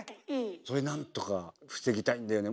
それ何とか防ぎたいんだよね